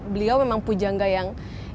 beliau memang pujangga yang